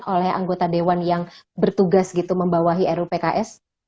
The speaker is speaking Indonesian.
oleh anggota dewan yang bertugas gitu membawahi rupks